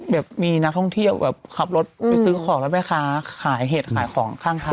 แบบมีนักท่องเที่ยวแบบขับรถไปซื้อของแล้วแม่ค้าขายเห็ดขายของข้างทาง